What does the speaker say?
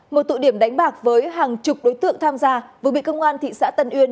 một tụ điểm đánh bạc với hàng chục đối tượng tham gia vừa bị công an thị xã tân uyên